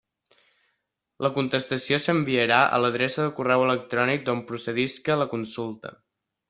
La contestació s'enviarà a l'adreça de correu electrònic d'on procedisca la consulta.